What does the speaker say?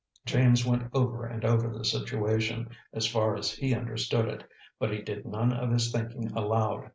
James went over and over the situation, as far as he understood it, but he did none of his thinking aloud.